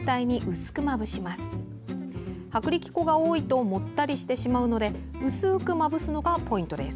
薄力粉が多いともったりしてしまうので薄くまぶすのがポイントです。